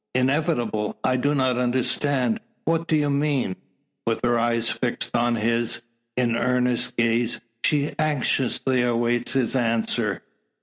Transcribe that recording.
"Inevitable! I do not understand. What do you mean?" With her eyes fixed oh his, in earnest gaze, she anxiously awaits his answer.